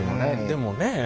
でもねえ。